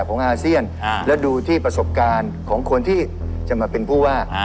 ก็ว่าไม่อยากให้คนกทมเนี่ย